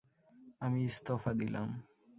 আমি ইস্তফা দিলাম।